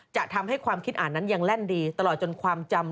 จะทำให้ความคิดอ่านนั้นยังแล่นดีตลอดจนความจำ